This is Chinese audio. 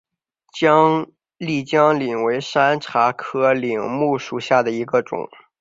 丽江柃为山茶科柃木属下的一个种。